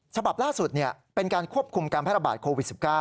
ฉบับล่าสุดเป็นการควบคุมการแพร่ระบาดโควิด๑๙